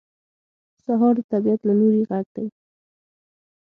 سهار د طبیعت له لوري غږ دی.